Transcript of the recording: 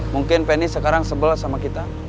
mungkin penny sekarang sebel sama kita